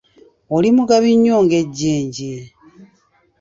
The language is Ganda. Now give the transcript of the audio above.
Oli mugabi nnyo ng'ejjenje